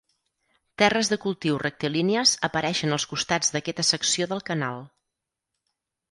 Terres de cultiu rectilínies apareixen als costats d'aquesta secció del canal.